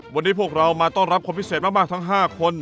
วันนี้พวกเรามาต้อนรับคนพิเศษมากทั้ง๕คน